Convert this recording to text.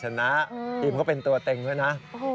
ชนะยิ้มก็เป็นตัวเต็มด้วยนะ